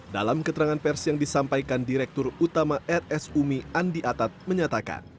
dalam keterangan pers yang disampaikan direktur utama rs umi andi atat menyatakan